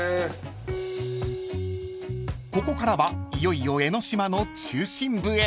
［ここからはいよいよ江の島の中心部へ］